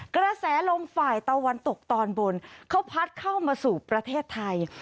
กระแสลมฝ่ายตะวันตกตอนบนเขาพัดเข้ามาสู่ประเทศไทย